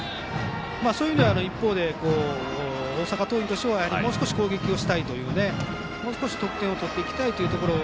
そういう意味では一方で大阪桐蔭としてはもう少し攻撃をしたいというもう少し得点したいというところ。